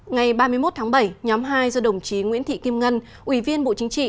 ngày ba mươi một tháng bảy nhóm hai do đồng chí nguyễn thị kim ngân ủy viên bộ chính trị